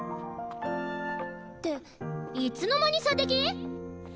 っていつの間に射的！？